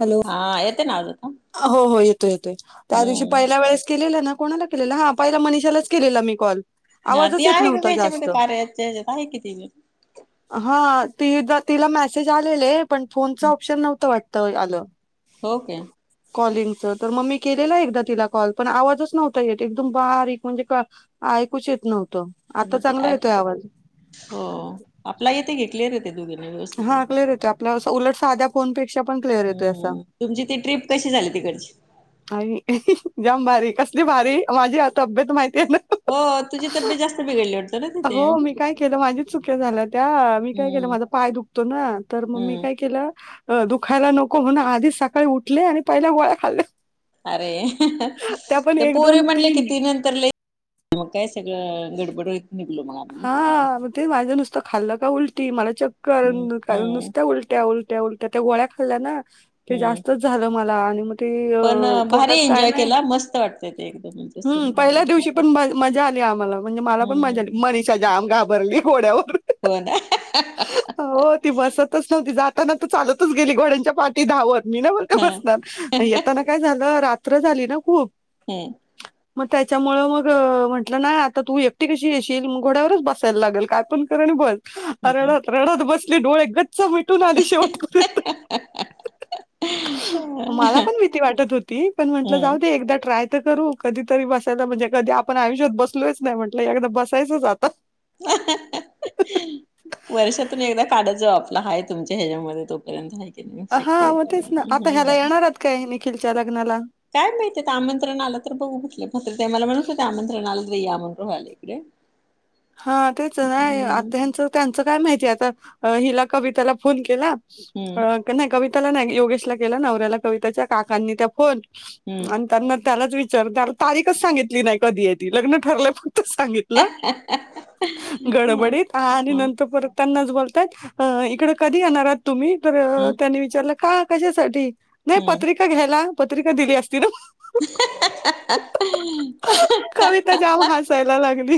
Hello हा येते ना आवाज आता हो हो येतोय येतोय त्या दिवशी हम्म पहिल्या वेळेस केलेला ना. कोणाला केलेला हा पाहिला मनीषालाच केलेला मी कॉल. हा ती आवाजच येत आहे का ग नव्हता याच्यामध्ये जास्त कार्याच्या यांच्यात आहे की ती. हा ते तिला मेसेज आलेले पण फोनच हं, ऑप्शन नव्हता वाटत. तय आलं हो के? कॉलिंगचं तर मग मी केलेलं एकदा तिला कॉल पण आवाजच नव्हता येत, एकदम बारीक म्हणजे ऐकूच येत नव्हतं. आता चांगला [unintelligible] येतोय आवाज हो, आपला येते की क्लिअर येते. [unintelligible] आलं. हा, क्लअर येतो आपल्या, उलट साध्या फोनपेक्षा पण क्लि हम्म, तुमची ती ट्रीप कशी झाली तिकडची? आई, जम भारी, कसली भारी, माझी आ तब्येत माहिती आहे ना? हो तुझी तब्येत जास्त बिघडली वाटतं ना तिथे हो, मी काय केलं माझीच चुक्या झाल्या त्या, मी काय केलं हम्म माझं पाय दुखतो ना, तर मग मी हम्म काय केलं अ दुखायला नको म्हणून आधीच सकाळी उठले आणि पहिल्या गोळ्या खालल्या. अरे, ते पोरी म्हणले कि ती नंतर लय मग काय सगळं गडबड होईत. हा, ते माझं नुसतं खाल्लं का उलटी मला चक्कर, हम्म हम्म नुसत्या उलट्या उल त्या उलट्या त्या गोळ्या खाल्ल्या ना ते हम्म जास्तच झालं मला आणि मग ते अ पण भारी पोटात काय एन्जॉय नाही, केला मस्त वाटतय ते एकदम म्हणजे हम्म पहिल्या असं दिवशी पण म मजा आली आम्हाला, म्हणजे मला पण मजा हम्म आली, मनीषा जाम घाबरली घोड्यावर. हो ना. हो ती बसतच नव्हती जाताना तर चालतच घड्यांच्या पाठी धावत. मी ना बोलते बसणार, येताना काय झालं रात्र झाली ना खूप हम्म. म त्याच्यामुळे मग म्हटलं नाय आता तू एकटी कशी येशी किल घोड्यावरच बसायला लागेल, काय पण कर आणि बस, हम्म रडत-रडत बसली डोळे ग च मिटून आली शेवट पर्यंत. [unintelligible] मला पण भीती वाटत होती पण म्हटलं जाऊ हम्म दे, एकदा ट्राय तर करू, कधीतरी बसायला म्हणजे कधी आप पणआयुष्यात बसलोच नाही म्हटलं एखादा बसायचच आता. [unintelligible] वर्षातून एकदा काढत जाऊ आपला, हाय तुमच्या ह्याच्यामध्ये तोपर्यंत नाहीं का? हा, मग तेच ना, आता ह्याला येणारात काय निखिलच्या लग्नाला? काय माहितीय तर आमंत्रणा आला तर बघू म्हटले, खत्री ताई मला म्हणत होते आमंत्रण आलं तर या म्हणून. [unintelligible] [unintelligible] हा तेच नाय, हम्म आता ह्याचं त्यांचं काय माहिती आता अ हिला कविताला फोन केला हम्म अ के नाय कविताला नाय योगेशला केला, नवऱ्याला कविताच्या, काकांनी त्या फोन हम्म आणि त्यांना त्यालाच विचार त्याला तारीखच सांगितली नाही कधी आहे ती लग्न ठरलं फक्त सांगितलं [unintelligible] हम्म गडबडीत आणि हम्म नंतर परत त्यांनाच बोलतायत अ इकडं कधी येणार आहेत तुम्ही तर हम्म त्यांनी विचारलं का कशासाठी? नाही पत्रिका घ्यायला, पत्रिका दिली अस [unintelligible] कविता जाम हसायला लागली.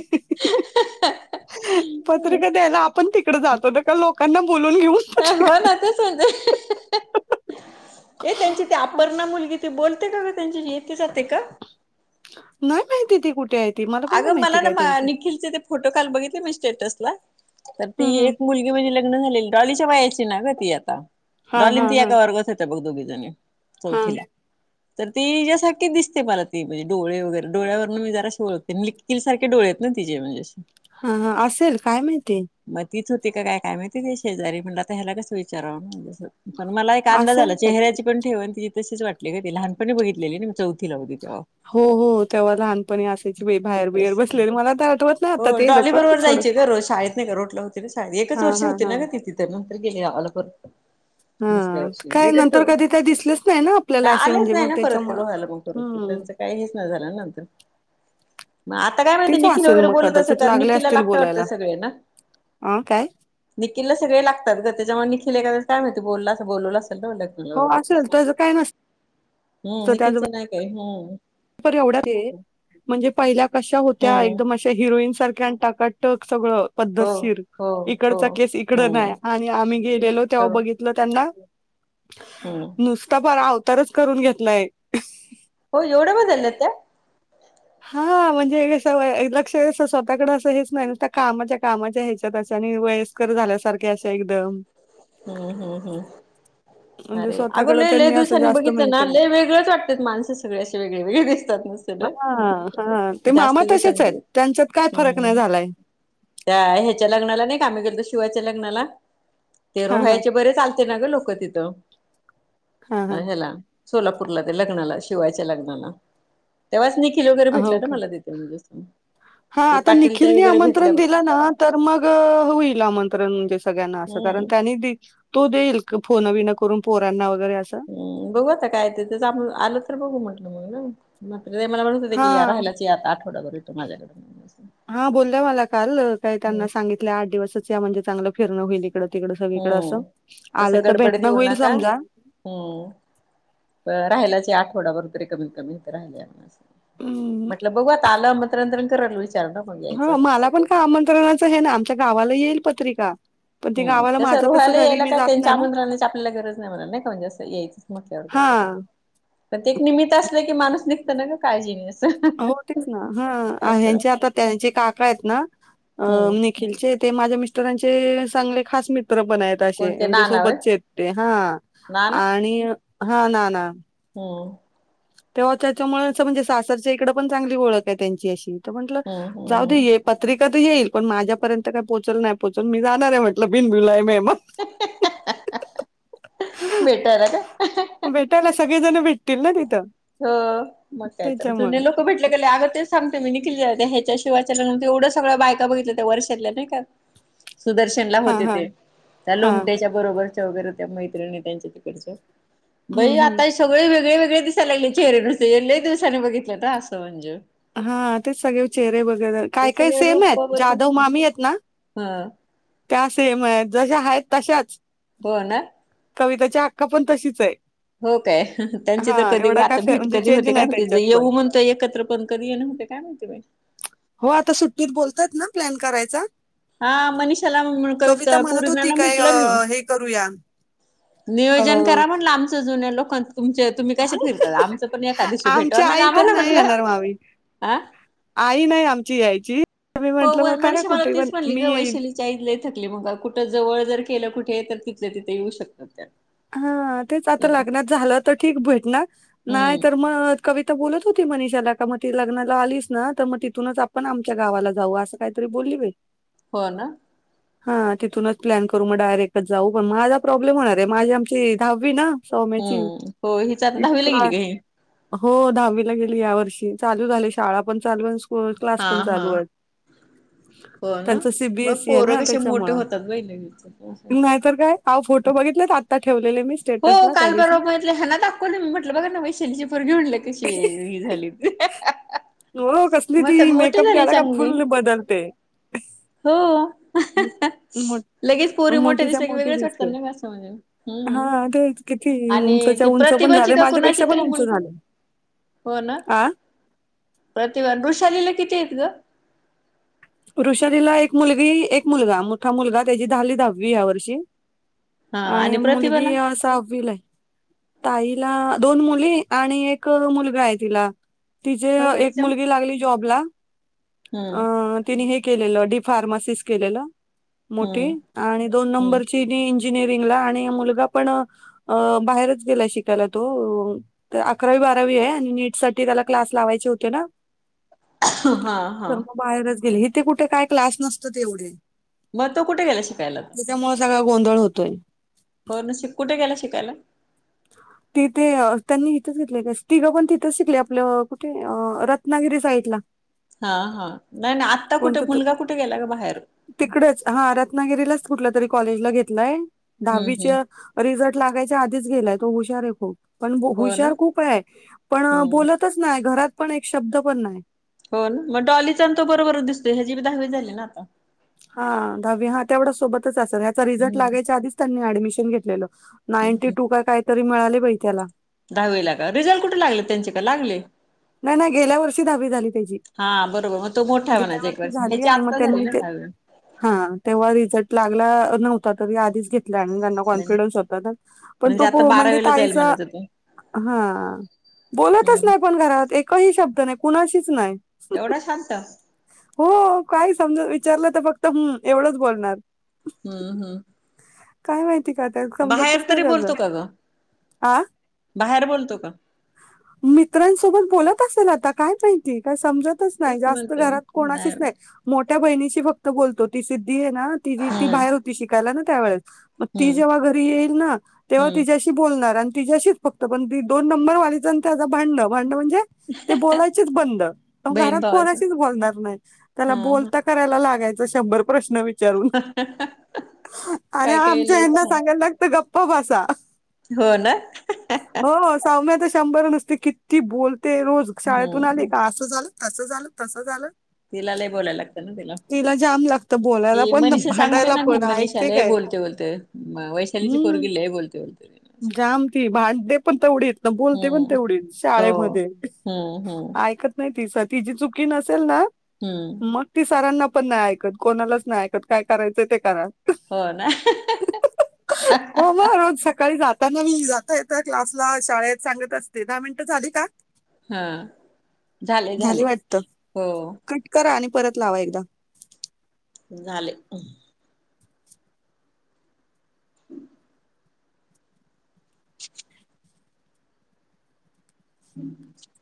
हम्म पत्रिका द्यायला आपण तिकडे जातो ना, का लोकांना बोलून घेऊ? हो ना तेच. [unintelligible] ए त्यांची ती अपर्णा मुलगी, ती बोलते का ग त्यांचीशी येते जाते का? नाही माहिती ती कुठे ए! अगं मला ना मा निखिलचे ते फोटो काल बघितले मी स्टेटसला. त ती हम्म हम्म. एक मुलगी म्हणजे ल ग्न झालेली डॉलीच्या वयाची ना ग ती आता, हा डॉली हा अन ती हा एका वर्गात होत्या बघ दोघी जणी. हा चौथीला. तर ती इच्यासारखी दिसते मला ती बी डोळे वगैरे डोळ्यावरन मी जराशी ओळख निकील सारखे डोळे आहेत ना, तिचे म्हणजे असे. हा ह असेल काय माहिती. म तीच होती का काय काय माहिती तिया शेजारी, म्हणल आता ह्याला कस विचारावं म असं. पण मला एक अंदाज असेल आला कदाचित. चेहऱ्याची पण ठेवन तिची तशीच वाटली काय ते लहानपनी बघितलेली नी मी चौ तिला उगीच [unintelligible] हो हो तेव्हा लहानपणी अस त्याची बाई बाहेर बियेर बसलेली मला तर आठवत नाही हो आता ते डॉली लोक बरोबर थोड जायचे ग रोज शाळेत नाही का रोटला होती एकच वर्ष होती ना ग ति तिथं नंतर गेली गावाला पर दुसऱ्या हा वर्षी काय लेकच तो नंतर कधी काय दिसलेच नाही ना आपल्याला नां असे आलेच म्हणजे नाही मग ना परत ते त्याच्यामुळं रोहायला मंग परत हम्म त्यांच काही यीसना झाला नंतर. म आता काय माहिती, तीच निखिल असेल वगैरे मग बोलत असं कदाचित तर लागले निखिलला असतील लागत वाटत बोलायला सगळे ना! हा काय निखिलला सगळे लागतात ग, त्याच्यामुळे निखिल एका वेळेस काय माहिती बोलला असं बोलवलं असल नां म्हणलं. तूला हो वगैरे असेल त्याचं काय नसतं [unintelligible] हु निखिल च नाही काय हु! पर एवढ्यातं ये म्हणजे पहिल्या कशा होत्या हम्म एकदम च्या हिरोईन सारख्या अन टाकटक सगळं. हो पद्धतशीर हो हो इकडचा केस इकड नाही, हम्म आणि आम्ही गेलेलो हो तेव्हा बघित ल त्यांना, हम्म नुसता फार अवतारच करून घेतलाय. हो एवढं बदल्यात त्या! हा म्हणजे हे सवय लक्षं स-स्वतःकडे असं हेच नाही, नूसत्या कामाच्या कामाच्या ह्याच्यातं असं आणि वयस कर झाल्यासारक्या अश्या एकदम. हो हो हो, म्हणजे आरे अगं स्वतःकडे लय लय त्यांनी असं दिवसाांनी जास्त बघितलं ना मेंटेन लय वेगळंच वाट तं माणस सगळे असे वेगळेवेगळे दिसतात नुस अं हा हा, ते मामा तसेच आहेत, दिवसांनी त्यांच्यात काय फरक नाही हम्म झालाय. त्या ह्याच्या लग्नाला नाही का आम्ही गेल तो शिवाच्या लग्नाला! ते हा हा रोहायचे बरेच आलते ना ग लोक तिथं हा आन ह्याला. सोलापूरला ते लग्नाला, शिवायच्या लग्नाला. तेव्हाच निखिल वगैरे हो भेटला ना का मला ति म्हणज असं. हा ते आता पाटील ताई निखिलनी वगैरे भेटल्या आमंत्रण बघ दिलं ना! तर मग होईल आमंत्रण म्हणजे सगळ्यांना असं कारण हम्म त्यांनी दि तो देईल का फोनां बीना करून पोरांना वगैरे असं. बघू आता काय ते त्याच आप आलं तर बघू म्हटलं मंग जाऊ. म्हात्रे मला म्हणत होत्या की या हां, राहयलाच यां आता आठवडाभर ईत माझ्याकड. हा बोलल्या माला काल काही त्यांना सांगितल आठ दिवसच या म्हणजे चांगलं फिरणं होईल इकडं तिकड सगळीकडं असं हम्म आलं त भेटणं होईल समजा. हु प राहायल्याच यां आठवडाभर तरी कमीत कमी इत राहयला यां असं. अं, म्हटलं बघू आता आलं [unintelligible] करायला विचारण. ह माला पण का आमंत्रणाच हे ना, आमच्या गावाला येईल पत्रिका. पण ती हम गावाला तसं माझं रुहाय कसं ला घरी यायला मी काय जात त्यांच्या नाही ना आमंत्रणाची आपल्याला गरज नाही म्हणाल नाही का म्हणजे असं यायच च म्हटल्या वर. हा! परत एक निमित्त असलं की माणूस निघत ना ग काळजीने. असं. हो तेच ना हा असं ह्यांचे आता त्यांचे काका आहेत ना अ हम्म नि खिलचे ते माझ्या मिस्टरांचे चांगले खास मित्र पण आहेत. त, असे कोणते म्हणजे नाना व्हय सोबतचेे आहेत ते हा आणि हा ना ना कोण? तेव्हा चाचमुळ अस म्हणजे सासरच्या इकडं पण चांगली ओळख आहे त्यांची अशी, तर म्हंटलं हम्म जाऊ दे हम्म ए पत्रिका तर येईल पण माझ्यापर्यंत काय पोचल नाही पोचल मी जाणार आहे म्हटलं बिन बुलाये मेहमान. भेटायला काय? टायला सगळीजण भेटतील ना तिथं. हो. मग काय तर, जुने त्याच्यामुळं. लोक तो भेटले गेले अगं तेच सांगते मी निखिल जेव्हा त्या ह्याच्याशी वाचायला गेला तर एवढं सगळ्या बायका बघितल्या त्या वर्षातल्या नाही का, सुदर्शनला हां, होते हां, ते त्या हां. लोमट्याच्या बरोबरच्या वगैरे त्या मैत्रिणी त्यांच्या तिकडच्या, हं, बाई हं. आता हे सगळे वेगळे वेगळे दिस साय लागले चेहरे नुसते ये लय दिवसांनी बघितलं तर असं मंजू हा तेच सगळे चेहरे वगैरे ते काय काय सेम आहेत. जाधव मामी आहेत ना? हा. त्या सेम आहेत, जशा आहेत तशाच. होय ना. कविताची आक्का पण तशीच आहे. हो काय त्यांची तर हा कधी एवढा काय आता फे- भेट म्हणजे कधी चेंज होते काय नाही त्यांच्यात माहिती पण येऊ म्हण त्या एकत्र पण करीन होते काय माहिती बाई. हो आत्ता सुट्टीत बोलतायत ना प्लॅन करायचा. हा मनीषाला कविता म्हणत होती पूर्णाला काय म्हटलं मी. अं, हे करूया नियोजन अं, करा म्हटलं आमचं जुन्या लोकांचं. तुमचे तुम्ही कसे फिरतात, आमचं पण एका दिवशी भेटवा आमची ना ग आई तर आम्हाला नाही म्हणलं. येणार मामी आ आई नाही आमची यायची, मग मी म्हंटलं मग करा कुठे पण मी येईन. आमची आई लय थकली आहे बाबा कुठ जवळ जर केलं कुठे तर तिथल्या तिथ येऊ शकतात त्या. हा तेच आता लग्नात झालं तर ठीक भेटन हम्म नाहीतर म कविता बोलत होती मनिषाला का मग ती लग्नाला आलीस ना तर मग तिथूनच आपण आमच्या गावाला जाऊ असं. काय तर बोली बाई. हो ना. हा तिथूनच प्लॅन करू मग डायरेक्टचं जाऊ पण माझा प्रॉब्लेम होणार आहे. माझी आमची दहावी ना सौम्याची हम्म हो हिच आता तिची दहावीला गेली क्लास का ही हो दहावीला गेली या वर्षी चालू झाली शाळा पण चालू आणि सु होय क्लास हा पण हा चालू आहेत. हो ना त्यांच बघ सीबीएसई आहे पोरं ना कसे मोठे त्याच्यामुळं. होतात बाई लगेच असं नाही तर काय हा फोटो बघितले आत्ता ठेवलेले मी. हो स्टेटसला त्या काल परवा दिवशी. बघितले. ह्यांना दाखवले मी म्हटलं बघा ना वैशालीची पोरगी म्हणलं कशी ही झाली. [unintelligible] नो नो कसली ती म्हणतात मोठी मेकअप झाली केला का चांगली फुल बदलते. [inaudible] हो. मो लगेच पोरी मोठ्या दिसल्या कि वेगळच वाटत ना मी असं म्हणाले. हा तेच. किती उंचच्या ती उंच पण प्रतिभाची झाल्या का कुणाची माझ्यापेक्षा पण तरी उंच मुलगी झाल्या. हो ना आ प्रतिभा बुषालीला किती आहेत गं? ऋषालीला एक मुलगी, एक मुलगा मोठा मुलगा त्याची झाली दहावी ह्या वर्षी हा आणि मुलगी प्रतिभाला सहावीला हाय ताईला दोन मुली आणि एक मुलगा आहे तिला तिचे हो काय एक तिच्या मुलगी लागली जॉबला अ हम्म तिने हे केलेलं डी फार्मासिस केलेलं मोठी हम्म आणि दोन हम्म नंबरची आणि इंजिनिअरिंगला आणि मुलगा पण बाहेरच गेला शिकायला तो तर अकरावी बारावी हेय आणि नीट साठी त्याला क्लास लावायचे होते ना हा हा तर मग बाहेरच गेले, इथे कुठे काय क्लास नसत तेवढे म तो तो कुठे गेला शिकायला? त्येच्यामुळ सगळा गोंधळ होतोय. हो ना, कुठे गेला शिकायला? तिथे, त्यांनी इथंच घेतलेयं तिघं पण तिथंच शिकले आपलं, कुठे रत रत्नागिरी साईटला. हा, हा नाही नाही आत्ता कुठं मुलगा कुठे गेला गं बाहेर? तिकडच हा, रत्नागिरीलाच कुठल्या तरी कॉलेजला घेतलाय हम्म हम्म दहावीच्या रिझल्ट लागायच्या आधीच गेलाय तो हुशार आहे खूप, पण हो ना हुशार खूप हाय पण हम्म बोलत तच नाय, घरात पण एक शब्द पण नाय. हो ना, मग डॉलीचा आणि तो बरोबरच दिसतोय ह्याची बी दहावी झाली ना आता हा दहावी हा, तेवढं सोबतच असेल याचा रिझल्ट हम्म लागायच्या आधीच त्यांनी ऍडमिशन घेतलेलं. नाईंटी हम्म. टू का काय तरी मिळाले बई त्याला दहावीला का, रिझल्ट कुठे लागले त्यांचे का लागले? नाही, नाही गेल्या वर्षी दहावी झाली त्येजी. हा बरोबर म, तो मोठा म्हणायचा एक वर्ष, ह्याची आणि मग आता झाली त्यांनी ना ते दहावी. हा, तेव्हा रिझल्ट लागला नव्हता तरी आधीच घेत त्यांना म्हण कॉन्फिडन्स होता ना, पण तो आता पु, म्हणजे बारावीला जाईल ताईचा म्हणायचं तो हा, बोलतच हम्म नाही पण घरात, एकही शब्द नाही कुणाशीच नाही. एवढा शांत? हो, काय समज विचारलं तर फक्त हम्मं, एवढंच बोलणार. हम हम् काय माहिती का, त्या समजतच नाही तरी त्येज बोलतो का ग आं बाहेर बोलतो का मित्रांसोबत बोलत असेल आता, काय माहिती काय समजत तच नाय, तेच जास्त म्हणते घरात मी नाही कोणाशीच नाय, मोठ्या बहिणीची फक्त बोलतो. ती सिद्धी हे ना ती हम्म बाहेर होती शिकायला ना त्यावेेळेस, मग ती हम्म जेव्हा घरी येईल ना तेव्हा हम्म तिज्याशी बोलणार आणि तिज्याशीच फक्त, पण ती दोन नंबर वाली आणि त्याज भांडण, भांड म्हणजे ते बोलायचेच बंद, बहीण घरात भावाच्या कोणाशीच बोलणार नाही त्याला हा हा बोलता करायला लागयच शंभर प्रश्न विच विचारून आणि काय काय आमच्या लय यांना छान सांगायला लागतं गप्प बसा. हो ना हो सौम्य तर शंभर नुस ती किती बोलते रोज, शाळेतून आली हम्म असं झालं, तस झालं, तस झालं तिला लय बोलायला लागत ना तिला, जाम लागतं बोलायला ती पण मनीषा सांगते भांडायला ना मी, पण मनीषाला ऐकते लय काय बोलते बोलते. वैशालीची पोरगी हम्म लय बोलते बोलते. जाम ती, भांडते पण तवढीच बोलते पण हम्म तेवढीच हो शाळेमध्ये हम्म हम्म ऐकत नाही ती साठी तिजी चुकी नसेल ना हम्म. मग ती सरांना पण नाही ऐकत, कोणालाच नाही ऐकत, काय करायचंय ते करा. हो, ना. हो मग रोज सकाळी सकाळी जाताना मी जाता येता क्लासला शाळेत सांगत असते, दहा मिनटं झाली का? हा, झाले झाली -झाले वाटतं हो. कट करा, आणि परत लावा एकदा- झाले. [inaudible] [inaudible]